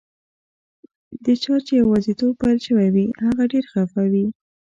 د چا چي یوازیتوب پیل شوی وي، هغه ډېر خفه وي.